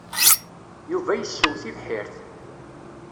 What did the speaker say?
Yuba yessew tibḥirt.